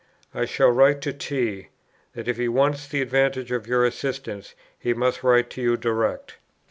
I shall write to T. that if he wants the advantage of your assistance, he must write to you direct."